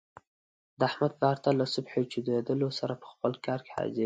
د احمد پلار تل له صبح چودېدلو سره په خپل کار کې حاضر وي.